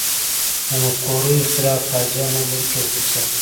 د مفکورو اختلاف فاجعه نه بلکې یو فرصت دی.